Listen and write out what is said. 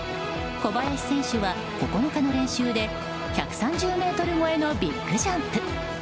小林選手は９日の練習で１３０ｍ超えのビッグジャンプ。